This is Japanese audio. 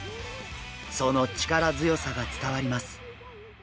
その力強さが伝わります。